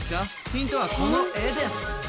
ヒントはこの絵です。